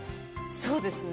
そうですね。